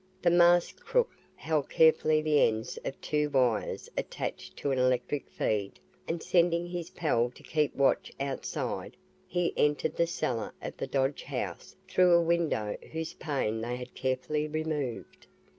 The masked crook held carefully the ends of two wires attached to an electric feed, and sending his pal to keep watch outside, he entered the cellar of the Dodge house through a window whose pane they had carefully removed.